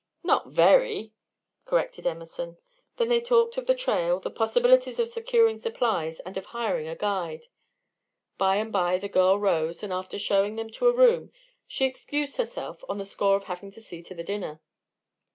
"Not 'very,'" corrected Emerson. Then they talked of the trail, the possibilities of securing supplies, and of hiring a guide. By and by the girl rose, and after showing them to a room, she excused herself on the score of having to see to the dinner.